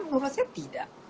menurut saya tidak